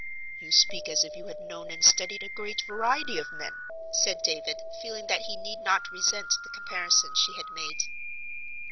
"You speak as if you had known and studied a great variety of men," said David, feeling that he need not resent the comparison she had made.